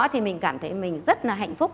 thì mình cảm thấy mình rất là hạnh phúc